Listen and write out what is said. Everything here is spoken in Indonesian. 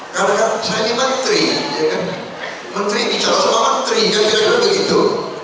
karena kan saya ini menteri menteri bicara sama menteri dia bilang begitu